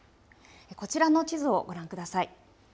こちらの地図をご覧ください。